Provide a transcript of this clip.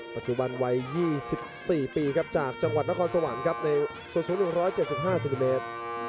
ปัจจุบันวัย๒๔ปีครับจากจังหวัดนครสวรรค์ครับในส่วนสูง๑๗๕เซนติเมตร